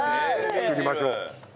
作りましょう。